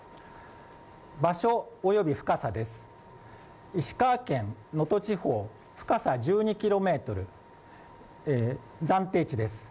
場所及び深さです、石川県能登地方深さ１２ｋｍ、暫定値です。